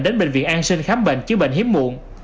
đến bệnh viện an sinh khám bệnh chứa bệnh hiếm muộn